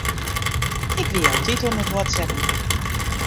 Ik wie altyd oan it whatsappen.